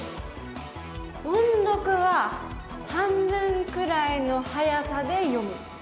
「音読は半分くらいのはやさで読む」。